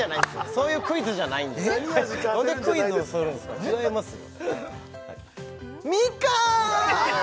そういうクイズじゃないんでなんでクイズをするんすか違いますよみかん！